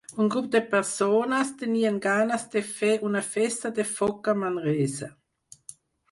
Un grup de persones, tenien ganes de fer una festa de foc a Manresa.